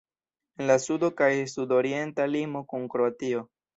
En la sudo kaj sudorienta limo kun Kroatio.